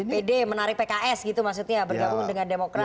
dpd menarik pks gitu maksudnya bergabung dengan demokrat